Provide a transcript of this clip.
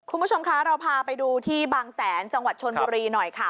คุณผู้ชมคะเราพาไปดูที่บางแสนจังหวัดชนบุรีหน่อยค่ะ